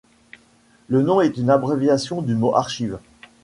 Le nom est une abréviation du mot archive.